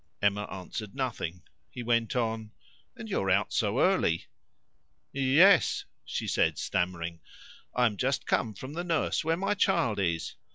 Emma answered nothing. He went on "And you're out so early?" "Yes," she said stammering; "I am just coming from the nurse where my child is."